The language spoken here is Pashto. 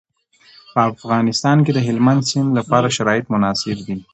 په افغانستان کې د هلمند سیند لپاره شرایط مناسب دي.